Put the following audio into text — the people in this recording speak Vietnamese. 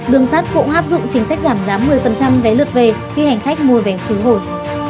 đường sắt cũng áp dụng chính sách giảm giá một mươi vé lượt về khi hành khách mua vé khứ hồi